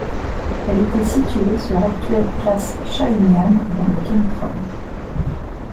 Elle était située sur l'actuelle Place Shahumyan dans le Kentron.